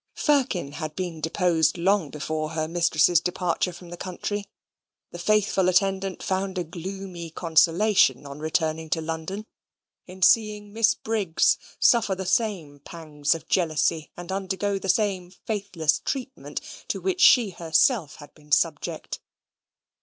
Firkin had been deposed long before her mistress's departure from the country. That faithful attendant found a gloomy consolation on returning to London, in seeing Miss Briggs suffer the same pangs of jealousy and undergo the same faithless treatment to which she herself had been subject.